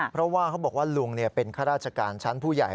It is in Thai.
เพราะว่าเขาบอกว่าลุงเป็นข้าราชการชั้นผู้ใหญ่